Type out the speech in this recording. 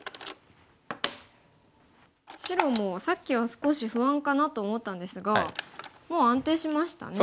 白もさっきは少し不安かなと思ったんですがもう安定しましたね。